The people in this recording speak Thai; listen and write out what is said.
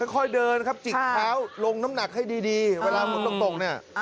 ค่อยเดินนะครับจิกเท้าลงน้ำหนักให้ดีเวลาฝนตกเนี่ย